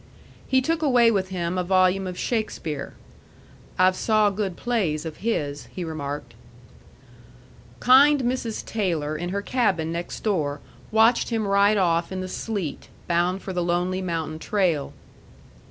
He took away with him a volume of Shakespeare. "I've saw good plays of his," he remarked. Kind Mrs. Taylor in her cabin next door watched him ride off in the sleet, bound for the lonely mountain trail.